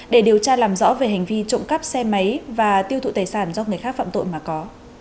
để điều tra làm rõ về hành vi trộm cắp xe máy và tiêu thụ tài sản do người khác phạm tội mà có